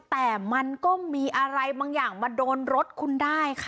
แต่มันก็มีอะไรบางอย่างมาโดนรถคุณได้ค่ะ